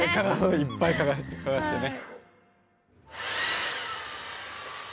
いっぱい嗅がしてね。